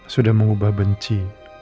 sudah mengubah benci